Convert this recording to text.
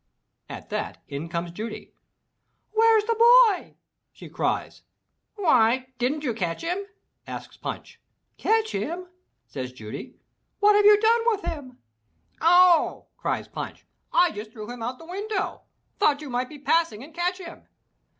At that, in comes Judy. "Where's the boy?" she cries. "Why, didn't you catch him?" asks Punch. "Catch him?" says Judy. "What have you done with him?" 444 THROUGH FAIRY HALLS 0h," cries Punch, "I just threw him out the window! Thought you might be passing and catch him."